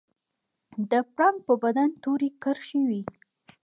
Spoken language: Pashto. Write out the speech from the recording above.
د پړانګ په بدن تورې کرښې وي